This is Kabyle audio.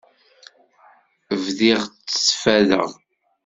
Bdiɣ ttfadeɣ.